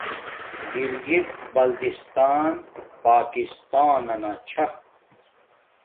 گلگت بلتستان پاکستانانا چھا